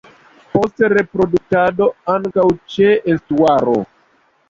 Post reproduktado ankaŭ ĉe estuaroj.